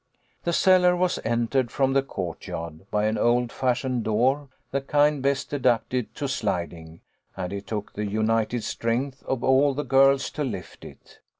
The cellar was entered from the courtyard, by an old fashioned door, the kind best adapted to sliding, and it took the united strength of all the girls to lift it.